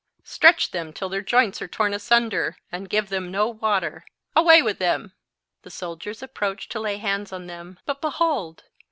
Stretch them till their joints are torn asunder, and give them no water. Away with them!" The soldiers approached to lay hands on them. But, behold!